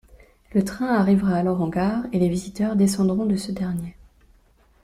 Le train arrivera alors en gare, et les visiteurs descendront de ce dernier.